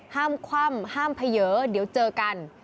คว่ำห้ามเผยเดี๋ยวเจอกัน